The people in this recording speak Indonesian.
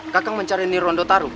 kakang mencari ni rondo